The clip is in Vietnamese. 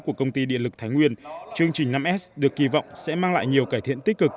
của công ty điện lực thái nguyên chương trình năm s được kỳ vọng sẽ mang lại nhiều cải thiện tích cực